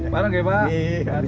barang kecil pak berhati hati